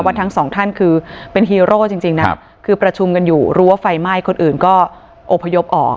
ทั้งสองท่านคือเป็นฮีโร่จริงนะคือประชุมกันอยู่รู้ว่าไฟไหม้คนอื่นก็อบพยพออก